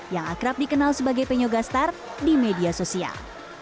yang akrab dikenal sebagai penyoga star di media sosial